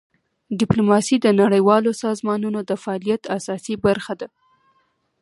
ډیپلوماسي د نړیوالو سازمانونو د فعالیت اساسي برخه ده.